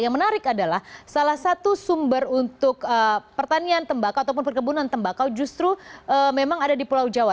yang menarik adalah salah satu sumber untuk pertanian tembakau ataupun perkebunan tembakau justru memang ada di pulau jawa